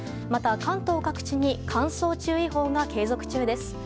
また、関東各地に乾燥注意報が継続中です。